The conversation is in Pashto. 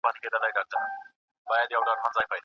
بېدل دهلوي د افغانانو په منځ کي ولې مشهور دی؟